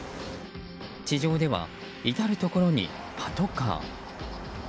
地上では至るところにパトカー。